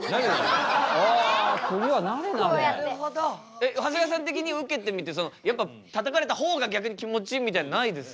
えっ長谷川さん的に受けてみてやっぱたたかれた方が逆に気持ちいいみたいなのないですか？